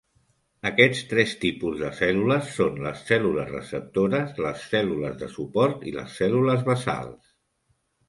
Aquests tres tipus de cèl·lules són les cèl·lules receptores, les cèl·lules de suport i les cèl·lules basals.